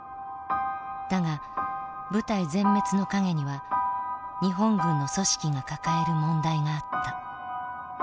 だが部隊全滅の陰には日本軍の組織が抱える問題があった。